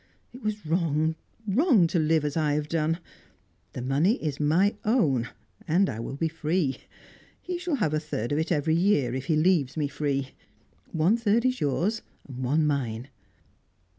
It was wrong, wrong to live as I have done. The money is my own, and I will be free. He shall have a third of it every year, if he leaves me free. One third is yours, one mine."